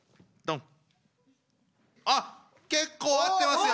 あっ結構合ってますよ！